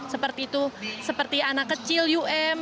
seperti itu seperti anak kecil um